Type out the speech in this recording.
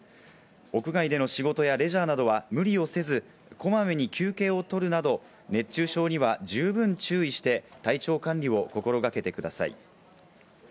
屋外での仕事やレジャーなどは無理をせず、こまめに休憩をとるなど、熱中症には十分注意して、体調管理を心掛けてください。